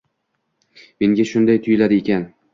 Menga shunday tuyuladi ekan.